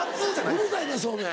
うるさいねんそうめん。